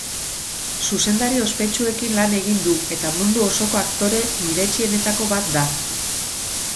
Zuzendari ospetsuekin lan egin du eta mundu osoko aktore miretsienetako bat da.